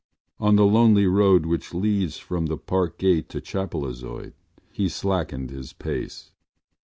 On the lonely road which leads from the Parkgate to Chapelizod he slackened his pace.